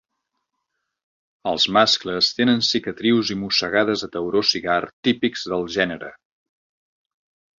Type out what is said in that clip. Els mascles tenen cicatrius i mossegades de tauró cigar típics del gènere.